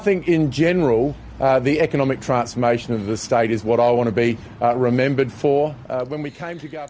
tapi saya pikir secara umum transformasi ekonomi negara adalah apa yang ingin saya inginkan